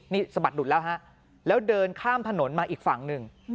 นี่สะบัดหลุดแล้วฮะแล้วเดินข้ามถนนมาอีกฝั่งหนึ่ง